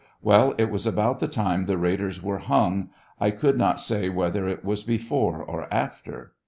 Well, it was about the time the raiders were huug; I could not say whether it was teforo or after.